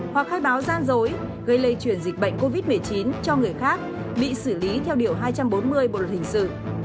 hoặc khai báo gian dối gây lây truyền dịch bệnh covid một mươi chín cho người khác bị xử lý theo điều hai trăm bốn mươi bộ luật hình sự